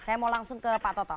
saya mau langsung ke pak toto